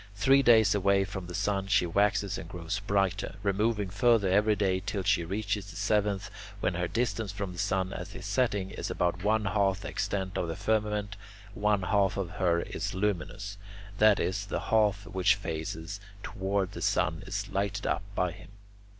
Three days away from the sun, she waxes and grows brighter. Removing further every day till she reaches the seventh, when her distance from the sun at his setting is about one half the extent of the firmament, one half of her is luminous: that is, the half which faces toward the sun is lighted up by him.